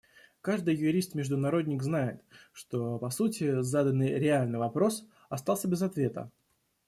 Каждый юрист-международник знает, что, по сути, заданный реальный вопрос остался без ответа.